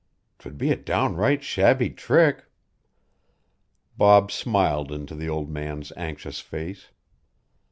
'Twould be a downright shabby trick." Bob smiled into the old man's anxious face.